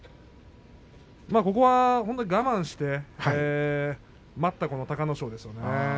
ここは本当に我慢して待った隆の勝ですね。